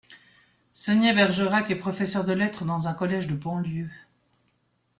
Sonia Bergerac est professeur de lettres dans un collège de banlieue.